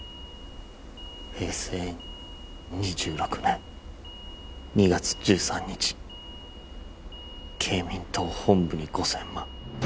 平成２６年２月１３日慶民党本部に５千万。